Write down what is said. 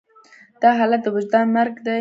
دا حالت د وجدان مرګ دی.